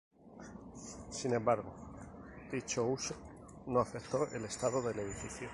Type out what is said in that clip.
Sin embargo, dicho uso no afectó el estado del edificio.